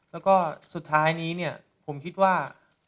แล้วก็สุดท้ายนี้ผมคิดว่า